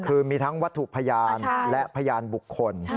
คือมีทั้งวัตถุพยานและพยานบุคคล